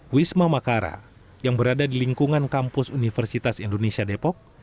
wisma makara yang berada di lingkungan kampus universitas indonesia depok